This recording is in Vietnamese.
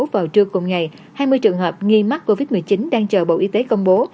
vào trưa cùng ngày hai mươi trường hợp nghi mắc covid một mươi chín đang chờ bộ y tế công bố